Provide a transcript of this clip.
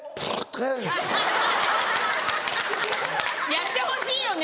やってほしいよね。